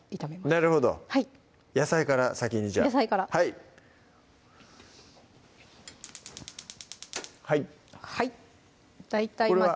なるほど野菜から先にじゃあはいはいこれは？